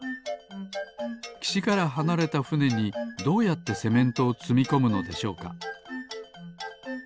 きしからはなれたふねにどうやってセメントをつみこむのでしょうか？